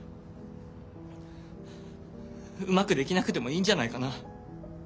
うまくできなくてもいいんじゃないかな？